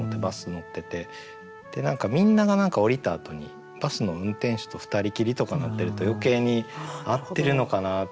でみんなが降りたあとにバスの運転手と２人きりとかなってると余計に「合ってるのかな？」っていう。